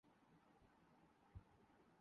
ہم ایک ماسک لگانے سے تنگ ہیں